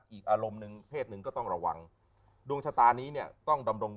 อีกอารมณ์หนึ่งเพศหนึ่งก็ต้องระวังดวงชะตานี้เนี่ยต้องดำรง